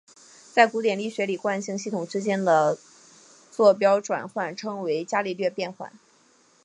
在古典力学里惯性系统之间的座标转换称为伽利略变换。